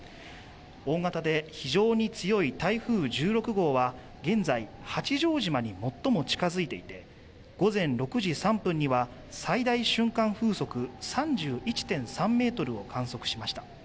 大型で非常に強い台風１６号は現在八丈島に最も近づいていて午前６時３分には最大瞬間風速３１．３メートルを観測しました。